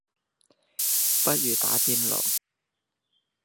不如打邊爐